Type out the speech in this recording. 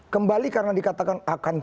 kembali karena dikatakan akan